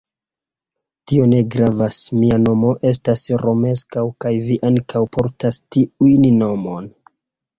Tio ne gravas, mia nomo estas Romeskaŭ kaj vi ankaŭ portas tiun nomon.